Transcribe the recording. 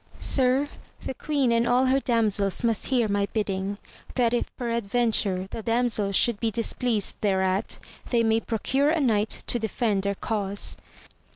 Sir, the queen and all her damsels must hear my bidding, that if peradventure the damsels should be displeased thereat, they may procure a knight to defend their cause.